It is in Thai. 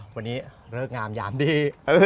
วันนี้เริ่มงามอีกดี